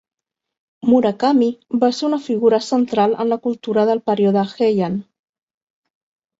Murakami va ser una figura central en la cultura del període Heian.